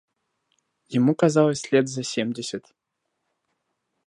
Ему казалось лет за семьдесят.